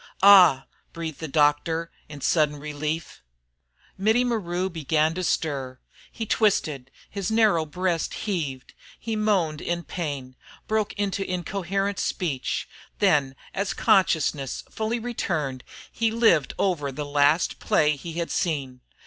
"Ah!" breathed the doctor, in sudden relief. Mittie Maru began to stir. He twisted, his narrow breast heaved, he moaned in pain, he broke into incoherent speech. Then, as consciousness fully returned, he lived over the last play he had seen.